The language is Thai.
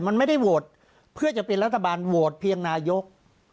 มันไม่ได้โหวตเพื่อจะเป็นรัฐบาลโหวตเพียงนายก